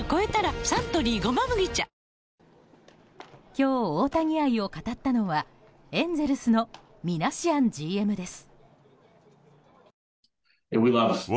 今日、大谷愛を語ったのはエンゼルスのミナシアンＧＭです。